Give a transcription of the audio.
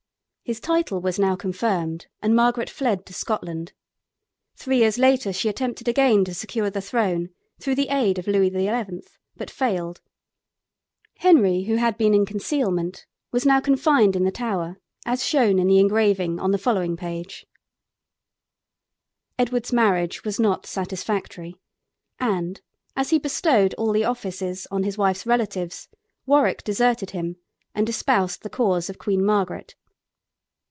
His title was now confirmed, and Margaret fled to Scotland. Three years later she attempted again to secure the throne through the aid of Louis XI., but failed. Henry, who had been in concealment, was now confined in the Tower, as shown in the engraving on the following page. [Illustration: HENRY VI. IMPRESSED IN THE TOWER.] Edward's marriage was not satisfactory, and, as he bestowed all the offices on his wife's relatives, Warwick deserted him and espoused the cause of Queen Margaret.